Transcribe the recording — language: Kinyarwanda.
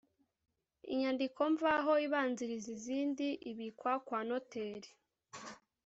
inyandiko mvaho ibanziriza izindi ibikwa kwa noteri